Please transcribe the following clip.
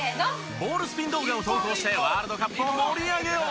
ボールスピン動画を投稿してワールドカップを盛り上げよう！＃